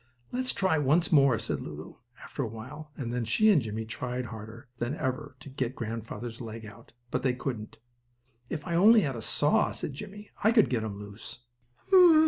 "Let's try once more," said Lulu, after a while, and then she and Jimmie tried harder than ever to get grandfather's leg out. But they couldn't. "If I only had a saw!" cried Jimmie, "I could get him loose."